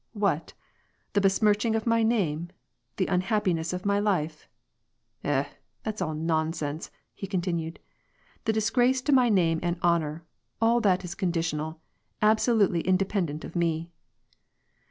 What ? The besmirching of my name ? the un happiness of my life ? eh ! that's all nonsense," he continued, *^the disgrace to my name and honor^ all that is conditional, absolutely independent of me.